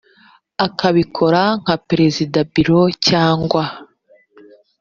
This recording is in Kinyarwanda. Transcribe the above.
akabikora nka perezida biro cyangwa